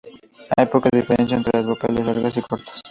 Hay poca diferencia entre las vocales largas y cortas.